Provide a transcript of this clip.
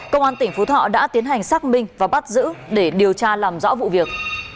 công an tỉnh phú thọ đã tiến hành xác minh và bắt giữ để điều tra làm rõ vụ việc